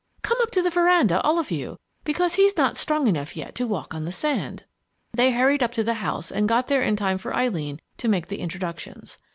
Come up to the veranda, all of you, because he's not strong enough yet to walk on the sand." They hurried up to the house and got there in time for Eileen to make the introductions.